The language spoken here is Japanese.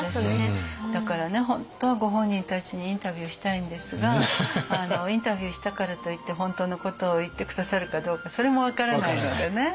だからね本当はご本人たちにインタビューしたいんですがインタビューしたからといって本当のことを言って下さるかどうかそれも分からないのでね。